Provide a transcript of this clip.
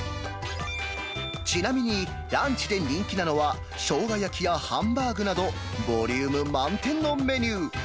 ちなみにランチで人気なのは、しょうが焼きやハンバーグなど、ボリューム満点のメニュー。